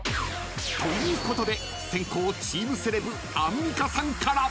［ということで先攻チームセレブアンミカさんから］